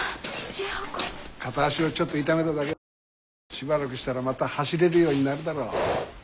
しばらくしたらまた走れるようになるだろう。